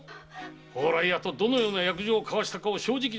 蓬莱屋とどのような約定を交わしたか正直に話しなされ。